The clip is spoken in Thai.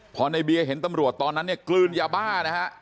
พอในเบียร์เห็นตำรวจตอนนั้นเนี่ยกลืนยาบ้านะฮะ